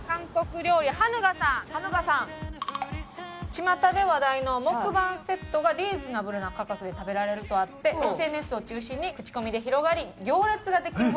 巷で話題のモクバンセットがリーズナブルな価格で食べられるとあってＳＮＳを中心に口コミで広がり行列ができるほどの人気店。